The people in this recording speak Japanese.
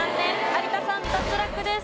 有田さん脱落です。